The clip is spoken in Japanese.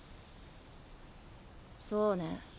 そうね。